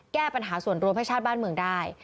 แก้ปัญหาส่วนรวมให้ชาติบ้านเมืองได้